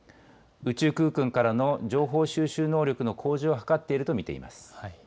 宇宙空間からの情報収集能力の向上を図っていると見ています。